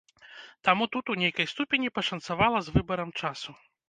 Таму тут у нейкай ступені пашанцавала з выбарам часу.